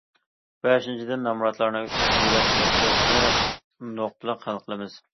بەشىنچىدىن، نامراتلارنى يۆلەش مەسىلىسىنى نۇقتىلىق ھەل قىلىمىز.